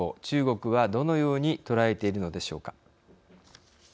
中国はどのようにとらえているのでしょうか。